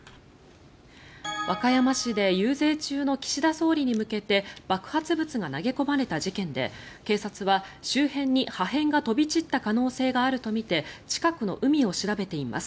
和歌山市で遊説中の岸田総理に向けて爆発物が投げ込まれた事件で警察は、周辺に破片が飛び散った可能性があるとみて近くの海を調べています。